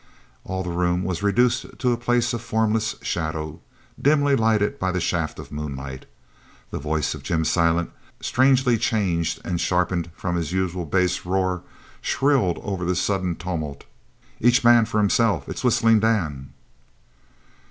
All the room was reduced to a place of formless shadow, dimly lighted by the shaft of moonlight. The voice of Jim Silent, strangely changed and sharpened from his usual bass roar, shrilled over the sudden tumult: "Each man for himself! _It's Whistling Dan!